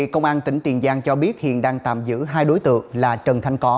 công an tp tiện giang cho biết hiện đang tạm giữ hai đối tượng là trần thanh có